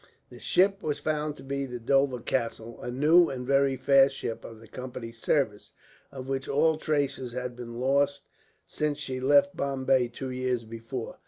The ship was found to be the Dover Castle, a new and very fast ship of the Company's service, of which all traces had been lost since she left Bombay two years before.